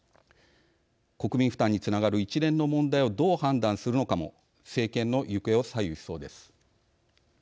国民負担につながる一連の問題をどう判断するのかも政権の行方を左右しそうです。